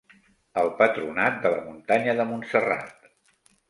El Patronat de la Muntanya de Montserrat.